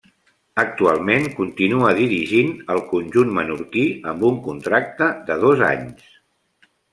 Actualment continua dirigint el conjunt menorquí amb un contracte de dos anys.